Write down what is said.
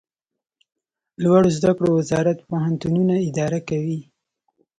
لوړو زده کړو وزارت پوهنتونونه اداره کوي